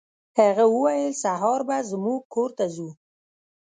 هغه وویل سهار به زموږ کور ته ځو.